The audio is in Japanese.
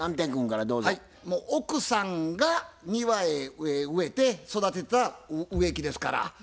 もう奥さんが庭へ植えて育てた植木ですから。